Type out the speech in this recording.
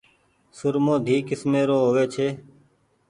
سرمو ڌي ڪيسمي رو هووي ڇي۔